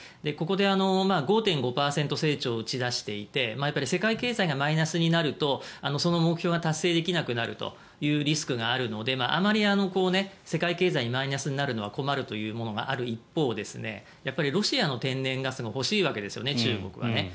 ここで５．５％成長を打ち出していて世界経済がマイナスになるとその目標が達成できなくなるというリスクがあるのであまり世界経済にマイナスになるのは困るというものがある一方でロシアの天然ガスが欲しいわけですよね、中国は。